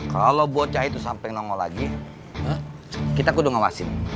kalau bocah itu sampai nangol lagi kita kudu ngawasin